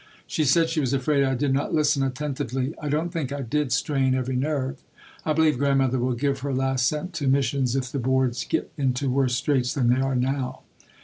She said she was afraid I did not listen attentively. I don't think I did strain every nerve. I believe Grandmother will give her last cent to Missions if the Boards get into worse straits than they are now.